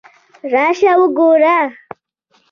راشه وګوره!